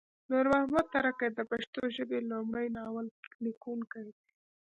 نورمحمد تره کی د پښتو ژبې لمړی ناول لیکونکی دی